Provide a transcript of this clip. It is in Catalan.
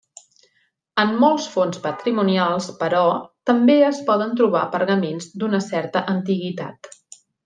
En molts fons patrimonials, però, també es poden trobar pergamins d'una certa antiguitat.